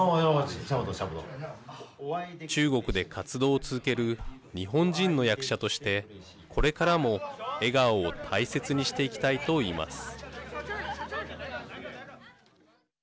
中国で活動を続ける日本人の役者としてこれからも笑顔を大切にしていきたいと言います。